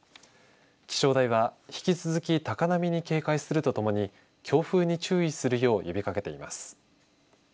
気象台は引き続き高波に警戒するとともに強風に注意するよう呼びかけています。